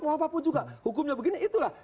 mau apapun juga hukumnya begini itulah